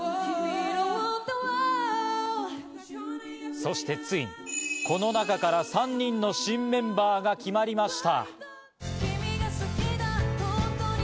そしてついに、この中から３人の新メンバーが決まりました。